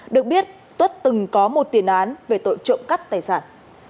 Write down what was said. được biết tuất từng có một tiền án về tội trộm cắp tài sản